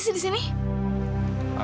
aduh rizky ini kan